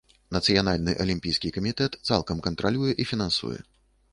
Нацыянальны алімпійскі камітэт цалкам кантралюе і фінансуе.